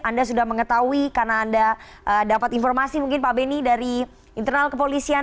anda sudah mengetahui karena anda dapat informasi mungkin pak benny dari internal kepolisian